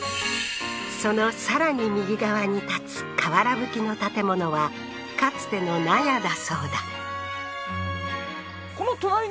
そのさらに右側に建つ瓦葺きの建物はかつての納屋だ